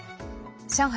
上海